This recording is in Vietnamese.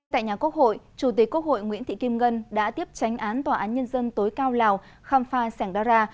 tại nhà quốc hội chủ tịch quốc hội nguyễn thị kim ngân đã tiếp tránh án tòa án nhân dân tối cao lào kham pha sẻng đara